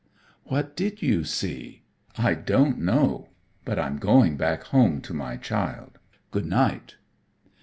"What did you see?" "I don't know, but I'm going back home to my child. Good night."